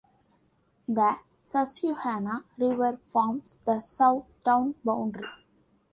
The Susquehanna River forms the south town boundary.